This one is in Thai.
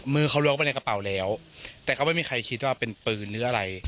มือเขาล้วงไปในกระเป๋าแล้วแต่ก็ไม่มีใครคิดว่าเป็นปืนหรืออะไร